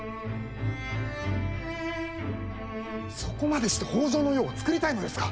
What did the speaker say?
そこまでして北条の世をつくりたいのですか。